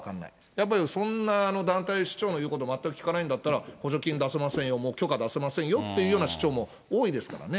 やっぱりそんな団体、市長の言うこと全く聞かないんだったら補助金出せませんよ、もう許可出せませんよという市長も多いですからね。